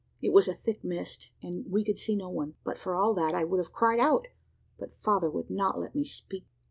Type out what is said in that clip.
It was a thick mist, and we could see no one; but for all that, I would have cried out, but father would not let me speak.